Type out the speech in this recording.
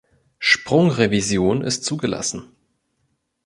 Sprungrevision ist zugelassen.